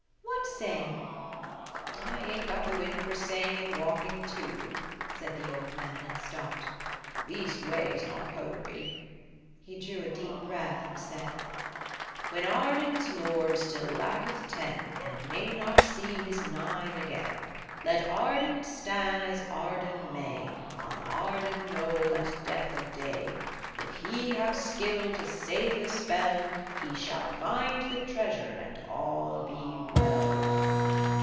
"What saying?" "I ain't got the wind for saying and walking too," said the old man, and stopped; "leastways, not potery." He drew a deep breath and said– "When Arden's lord still lacketh ten And may not see his nine again, Let Arden stand as Arden may On Arden Knoll at death of day. If he have skill to say the spell He shall find the treasure, and all be well!"